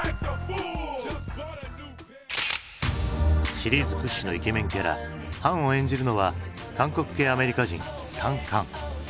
シリーズ屈指のイケメンキャラハンを演じるのは韓国系アメリカ人サン・カン。